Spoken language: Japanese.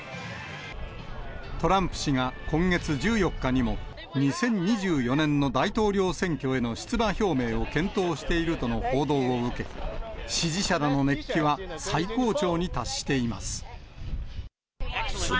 トランプ氏が今月１４日にも、２０２４年の大統領選挙への出馬表明を検討しているとの報道を受け、支持者らの熱気は最高潮に達しています。